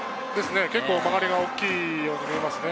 結構曲がりが大きいように見えますね。